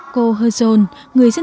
cô hơ sơn